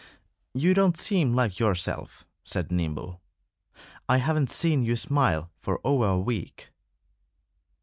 "You don't seem like yourself," said Nimble. "I haven't seen you smile for over a week."